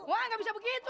wah nggak bisa begitu